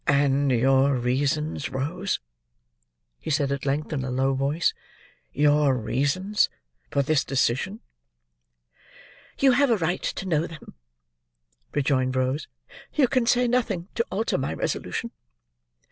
"And your reasons, Rose," he said, at length, in a low voice; "your reasons for this decision?" "You have a right to know them," rejoined Rose. "You can say nothing to alter my resolution.